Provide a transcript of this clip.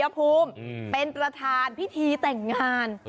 ภูมิเป็นประธานพิธีแต่งงาน